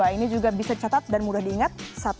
ini juga bisa catat dan mudah diingat satu ratus dua belas